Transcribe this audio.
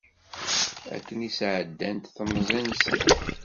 Akken i sɛeddant temẓi-nsent.